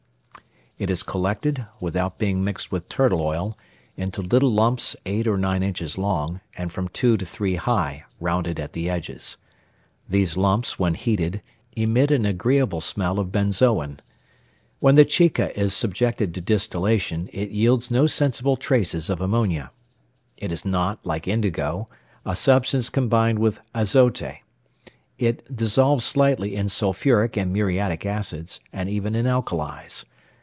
It is collected, without being mixed with turtle oil, into little lumps eight or nine inches long, and from two to three high, rounded at the edges. These lumps, when heated, emit an agreeable smell of benzoin. When the chica is subjected to distillation, it yields no sensible traces of ammonia. It is not, like indigo, a substance combined with azote. It dissolves slightly in sulphuric and muriatic acids, and even in alkalis.